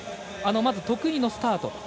得意のスタート。